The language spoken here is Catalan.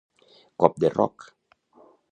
Cop de roc.